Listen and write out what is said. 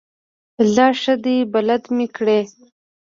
ځه ښه دی بلد مې کړې.